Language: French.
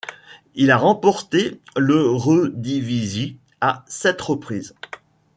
Il a remporté l'Eredivisie à sept reprises.